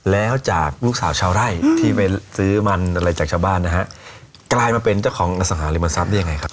แล้วจากลูกสาวชาวไร่ที่ไปซื้อมันอะไรจากชาวบ้านนะฮะกลายมาเป็นเจ้าของอสังหาริมทรัพย์ได้ยังไงครับ